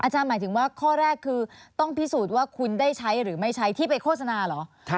หมายถึงว่าข้อแรกคือต้องพิสูจน์ว่าคุณได้ใช้หรือไม่ใช้ที่ไปโฆษณาเหรอ